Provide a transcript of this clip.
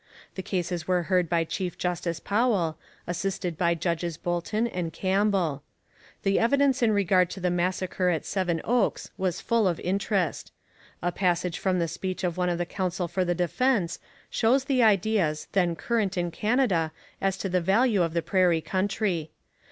The cases were heard by Chief Justice Powell, assisted by Judges Boulton and Campbell. The evidence in regard to the massacre at Seven Oaks was full of interest. A passage from the speech of one of the counsel for the defence shows the ideas then current in Canada as to the value of the prairie country.